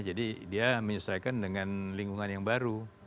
jadi dia menyesuaikan dengan lingkungan yang baru